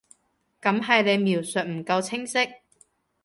噉係你描述唔夠清晰